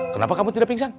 kenapa kamu tidak pingsan